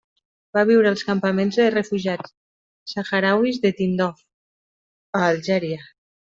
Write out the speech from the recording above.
Va viure als campaments de refugiats sahrauís de Tindouf, a Algèria.